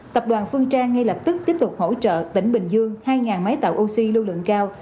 tập đoàn phương trang ngay lập tức tiếp tục hỗ trợ tỉnh bình dương hai máy tạo oxy lưu lượng cao